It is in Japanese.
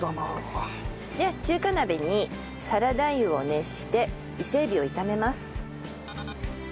で中華鍋にサラダ油を熱して伊勢エビを炒めます。